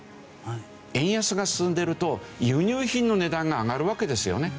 円安が進んでると輸入品の値段が上がるわけですよね。